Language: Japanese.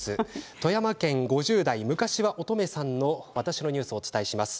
富山県５０代の方の「わたしのニュース」をお伝えします。